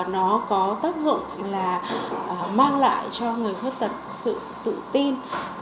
nó có tác dụng là mang lại cho người khuyết tật sự tự tin